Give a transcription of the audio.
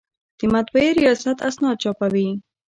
د مطبعې ریاست اسناد چاپوي